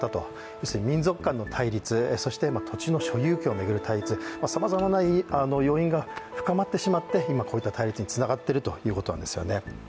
要するに、民族間の対立そして到着の所有権を巡る対立、さまざまな要因が深まってしまって今、こういった対立につながっているということなんですよね。